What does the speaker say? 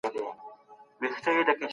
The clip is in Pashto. د تیرو پیښو څخه درس واخلئ.